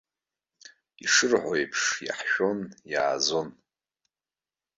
Ишырҳәо еиԥш, иаҳшәон, иаазон.